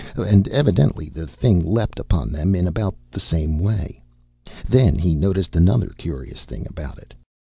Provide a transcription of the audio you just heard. And evidently the thing leapt upon them in about the same way. Then he noticed another curious thing about it.